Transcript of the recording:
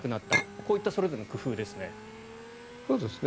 こういったそれぞれの工夫ですね。